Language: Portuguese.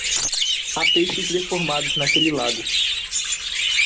Há peixes deformados naquele lago.